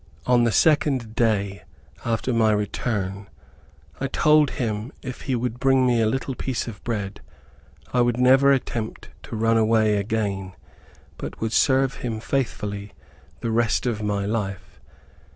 On the second day after my return, I told him if he would bring me a little piece of bread, I would never attempt to run away again, but would serve him faithfully the rest of my life.